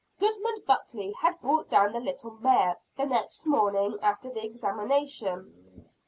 Goodman Buckley had brought down the little mare, the next morning after the examination.